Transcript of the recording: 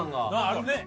あるね。